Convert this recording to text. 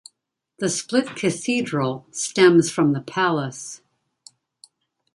The Split Cathedral stems from the palace.